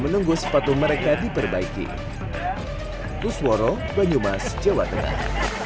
menunggu sepatu mereka diperbaiki kusworo banyumas jawa tengah